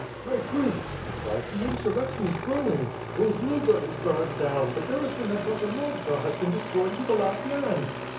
"My Prince," he cried, "the insurrection is growing. Roz loga is burned down; the garrison at Vasilovka has been de stroyed to the last man."